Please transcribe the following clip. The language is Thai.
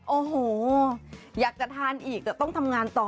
โอ้โหอยากจะทานอีกแต่ต้องทำงานต่อ